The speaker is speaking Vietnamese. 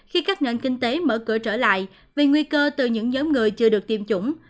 khi các nền kinh tế mở cửa trở lại vì nguy cơ từ những nhóm người chưa được tiêm chủng